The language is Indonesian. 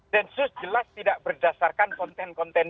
densus jelas tidak berdasarkan konten konten